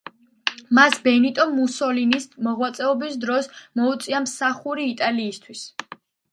მას ბენიტო მუსოლინის მოღვაწეობის დროს მოუწია მსახური იტალიისთვის.